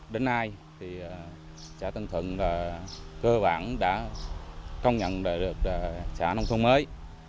đến nay thì xã tân thuận cơ bản đã công nhận được xã nông thôn mới